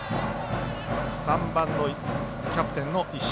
３番、キャプテンの石井。